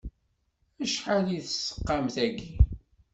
Acḥal i d-tesqam tagi?